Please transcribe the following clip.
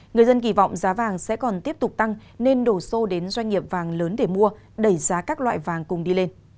người dân kỳ vọng giá vàng sẽ còn tiếp tục tăng nên đổ xô đến doanh nghiệp vàng lớn để mua đẩy giá các loại vàng cùng đi lên